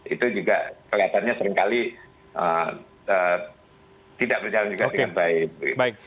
itu juga kelihatannya seringkali tidak berjalan juga dengan baik